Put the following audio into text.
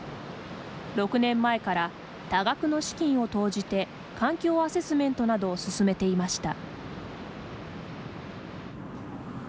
６年前から多額の資金を投じて環境アセスメントなどを進めていました。